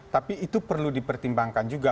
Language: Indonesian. tapi itu perlu dipertimbangkan juga